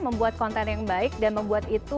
membuat konten yang baik dan membuat itu